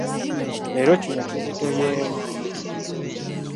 Leero kino kizitoyeemu.